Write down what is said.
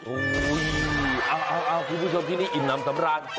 โอ้โหเอาคุณผู้ชมที่นี่อิ่มน้ำสำราญ